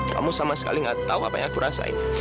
kamu sama sekali tidak tahu apa yang aku rasakan